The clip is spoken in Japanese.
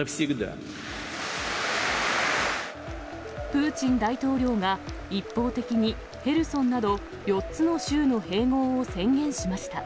プーチン大統領が一方的にヘルソンなど４つの州の併合を宣言しました。